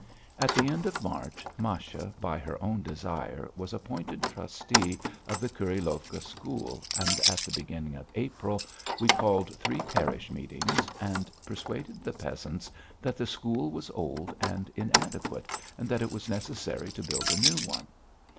At the end of March Masha, by her own desire, was appointed trustee of the Kurilovka school, and at the beginning of April we called three parish meetings and persuaded the peasants that the school was old and inadequate, and that it was necessary to build a new one.